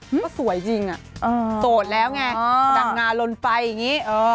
ก็สวยจริงโสดแล้วไงดังงาลนไฟอย่างนี้